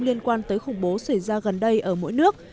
liên quan tới khủng bố xảy ra gần đây ở mỗi nước